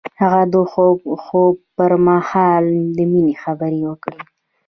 هغه د خوږ خوب پر مهال د مینې خبرې وکړې.